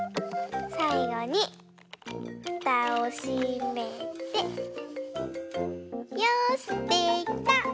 さいごにふたをしめてよしできた！